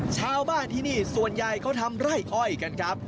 ชาวบ้านที่นี่ส่วนใหญ่เขาทำไร่อ้อยกันครับ